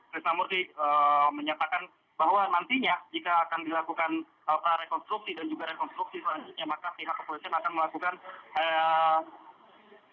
krisna murti menyatakan bahwa nantinya jika akan diadakan jika ada yang akan menangkap